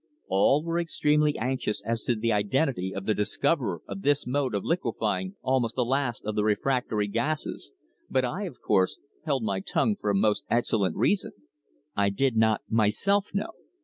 All were extremely anxious as to the identity of the discoverer of this mode of liquefying almost the last of the refractory gases, but I, of course, held my tongue for a most excellent reason I did not myself know.